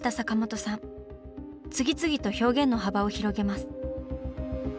次々と表現の幅を広げます。